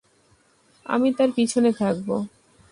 আমি তার পিছনে থাকব।